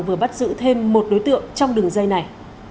vừa bắt giữ thêm một đối tượng trong đường dây này